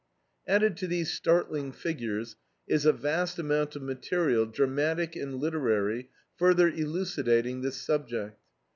Added to these startling figures is a vast amount of material, dramatic and literary, further elucidating this subject.